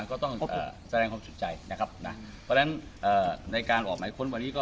ก็ต้องแสดงความชุดใจนะครับนะเพราะฉะนั้นอ่าในการออกไม้เค้าดิก์